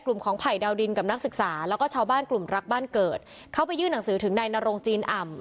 ของไผ่ดาวดินกับนักศึกษาแล้วก็ชาวบ้านกลุ่มรักบ้านเกิดเขาไปยื่นหนังสือถึงนายนรงจีนอ่ำ